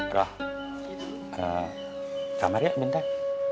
rah kamar ya bentar